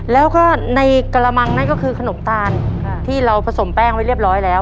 แล้วก็ในกระมังนั่นก็คือขนมตาลที่เราผสมแป้งไว้เรียบร้อยแล้ว